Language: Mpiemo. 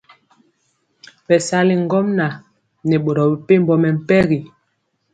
Bɛsali ŋgomnaŋ nɛ boro mepempɔ mɛmpegi.